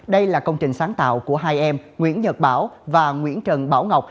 đây là công trình sáng tạo của hai em nguyễn nhật bảo và nguyễn trần bảo ngọc